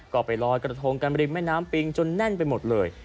ก็ไปลอยกระทงกันริมแม่น้ำปิงจนแน่นไปหมดเลย